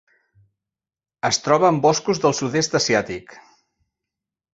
Es troba en boscos del sud-est asiàtic.